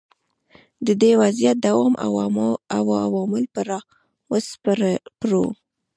د دې وضعیت دوام او عوامل به را وسپړو.